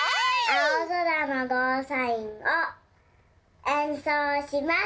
「青空のゴーサイン」をえんそうします。